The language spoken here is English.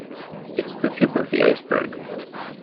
It's the tip of the iceberg.